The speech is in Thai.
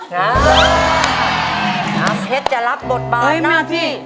น้ำเพชรจะรับบทบาทหน้าที่